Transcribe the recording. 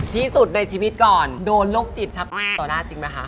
ที่สุดในชีวิตก่อนโดนโรคจิตชักหน้าต่อหน้าจริงไหมคะ